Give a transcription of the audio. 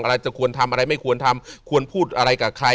อะไรจะควรทำอะไรไม่ควรทำ